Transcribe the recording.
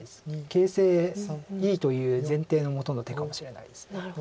形勢いいという前提のもとの手かもしれないです。